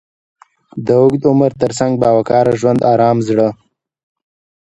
د اوږد عمر تر څنګ، با وقاره ژوند، ارام زړه،